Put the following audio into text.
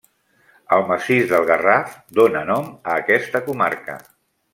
El massís del Garraf dóna nom a aquesta comarca.